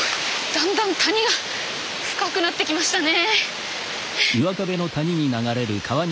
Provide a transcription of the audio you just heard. だんだん谷が深くなってきましたね。